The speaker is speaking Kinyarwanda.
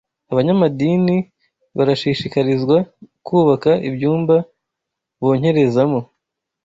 Abanyamadini barashishikarizwa kubaka ibyumba bonkerezamo